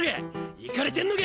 イカれてんのか！